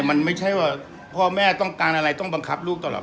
มันไม่ใช่ว่าพ่อแม่ต้องการอะไรต้องบังคับลูกตลอด